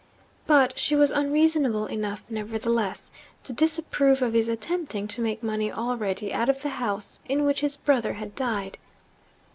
But she was unreasonable enough, nevertheless, to disapprove of his attempting to make money already out of the house in which his brother had died.